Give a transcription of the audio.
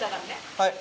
はい。